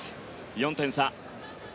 ４点差。